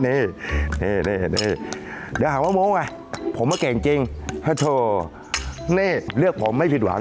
นี่เดี๋ยวหาว่าโม๊มอะผมอะเก่งจริงพะโถ่เนี่ยเลือกผมไม่ผิดหวัง